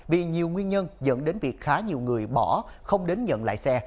vì nhiều nguyên nhân dẫn đến việc khá nhiều người bỏ không đến nhận lại xe